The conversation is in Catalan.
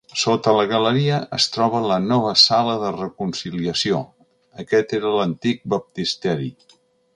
Sota la galeria es troba la nova Sala de Reconciliació, aquest era l'antic baptisteri.